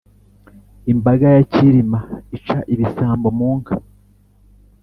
imbaga ya cyilima ica ibisambo mu nka.